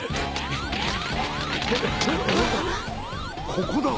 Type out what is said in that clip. ここだ！